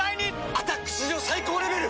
「アタック」史上最高レベル！